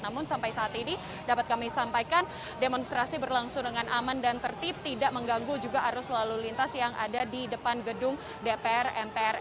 namun sampai saat ini dapat kami sampaikan demonstrasi berlangsung dengan aman dan tertib tidak mengganggu juga arus lalu lintas yang ada di depan gedung dpr mpr